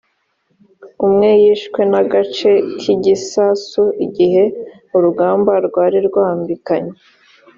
umwe yishwe n agace k igisasu igihe urugamba rwari rwambikanye